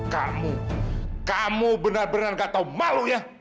kamu kamu benar benar enggak tahu malu ya